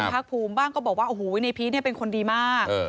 ภาคภูมิบ้างก็บอกว่าโอ้โหในพีชเนี่ยเป็นคนดีมาก